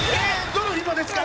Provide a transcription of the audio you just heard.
どの紐ですか？